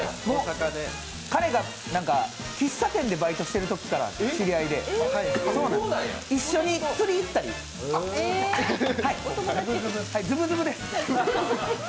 彼が喫茶店でバイトしているときから知り合いで、一緒に釣り行ったり、ズブズブです